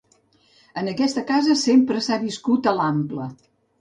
En aquesta casa sempre s'ha viscut a l'ample.